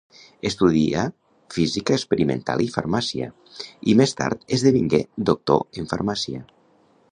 Estudià física experimental i farmàcia, i més tard esdevingué Doctor en Farmàcia.